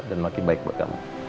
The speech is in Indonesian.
dan makin baik buat kamu